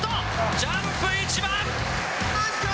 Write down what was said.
ジャンプ一番。